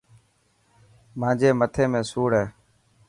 مانجي مٿي ۾ سوڙ هي.